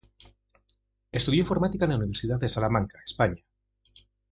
Estudió Informática en la Universidad de Salamanca, España.